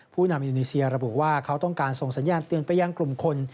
ผู้นำอินโดนีเซียระบุว่าเขาต้องการส่งสัญญาณเตือนไปยังกลุ่มคน